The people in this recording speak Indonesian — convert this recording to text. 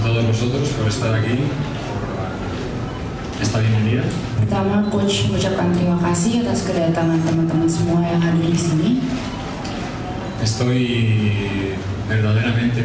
terima kasih atas kedatangan teman teman semua yang ada di sini